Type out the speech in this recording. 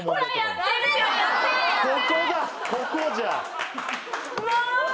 うわ